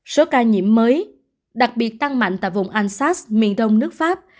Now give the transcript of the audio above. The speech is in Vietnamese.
số ca nhiễm mới đặc biệt tăng mạnh tại vùng ansas miền đông nước pháp